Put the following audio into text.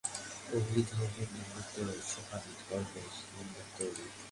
এগুলি ধর্মের নিম্নতম সোপান, কর্মের নিম্নতম রূপ।